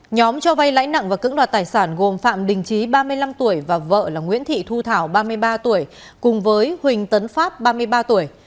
nhóm cho vay lãi nặng và cứng đoạt tài sản gồm phạm đình trí ba mươi năm tuổi và vợ là nguyễn thị thu thảo ba mươi ba tuổi cùng với huỳnh tấn pháp ba mươi ba tuổi